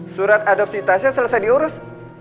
surat adopsitasnya selesai diurus